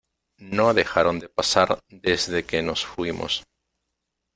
no dejaron de pasar desde que nos fuimos.